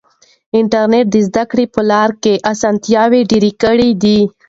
انټرنیټ د زده کړې په لاره کې اسانتیاوې ډېرې کړې دي.